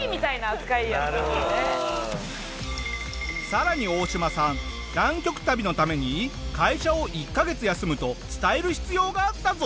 さらにオオシマさん南極旅のために会社を１カ月休むと伝える必要があったぞ！